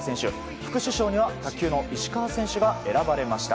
副主将には卓球の石川選手が選ばれました。